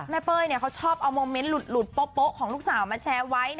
เป้ยเขาชอบเอาโมเมนต์หลุดโป๊ะของลูกสาวมาแชร์ไว้